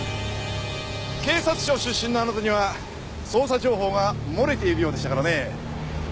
警察庁出身のあなたには捜査情報がもれているようでしたからね。